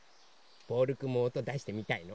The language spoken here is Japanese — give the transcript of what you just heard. ボールくんもおとだしてみたいの？